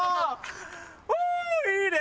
おおいいね！